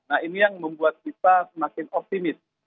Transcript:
nah ini yang membuat kita semakin optimis